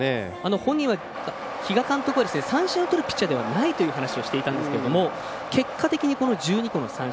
本人、比嘉監督は三振をとるピッチャーではないと話をしていたんですが結果的に１２個の三振。